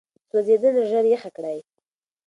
سوځېدنه ژر یخه کړئ.